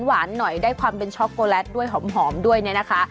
หวานหน่อยได้ความเป็นช็อกโกแลตด้วยหอมด้วยเนี่ยนะคะ